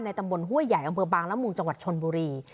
ตำบลห้วยใหญ่อำเภอบางละมุงจังหวัดชนบุรี